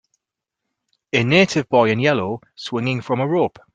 A native boy, in yellow, swinging from a rope.